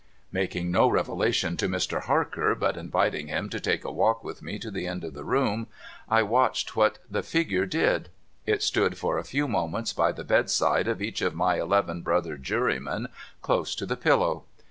Making no revelation to Mr. Harker, but inviting him to take a walk with me to the end of the room, I watched what the figure did. It stood for a few moments by the bedside of each of my eleven brother jurymen, close to the pillow.